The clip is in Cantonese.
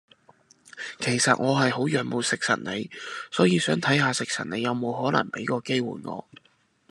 其實我係好仰慕食神你，所以想睇嚇食神你有冇可能畀個機會我